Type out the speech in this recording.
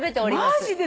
マジで！？